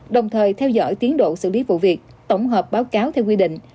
đồng thời theo dõi tiến độ xử lý vụ việc tổng hợp báo cáo theo quy định